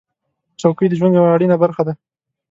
چوکۍ د ژوند یوه اړینه برخه ده.